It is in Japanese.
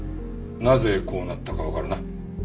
なぜこうなったかわかるな？